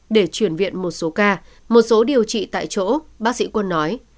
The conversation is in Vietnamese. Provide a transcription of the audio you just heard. để chuyển viện một số ca một số điều trị tại chỗ bác sĩ quân nói